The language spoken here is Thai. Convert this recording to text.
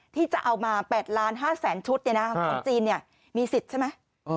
ที่จะเอามา๘๕๐๐๐๐๐ชุดเนี่ยนะของจีนเนี่ยมีสิทธิ์ใช่ไหม